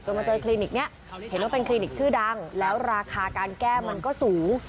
มาเจอคลินิกนี้เห็นว่าเป็นคลินิกชื่อดังแล้วราคาการแก้มันก็สูง